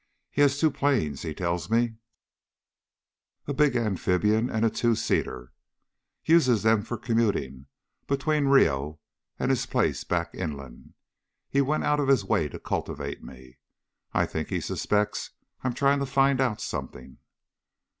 He has two planes, he tells me, a big amphibian and a two seater. Uses them for commuting between Rio and his place back inland. He went out of his way to cultivate me. I think he suspects I'm trying to find out something."